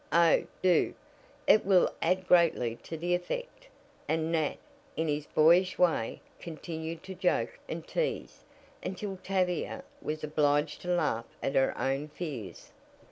Oh, do; it will add greatly to the effect," and Nat, in his boyish way, continued to joke and tease, until Tavia was obliged to laugh at her own fears.